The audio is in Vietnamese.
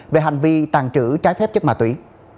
về hành vi tàng trữ trái phép chất ma túy